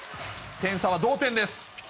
点差は同点です。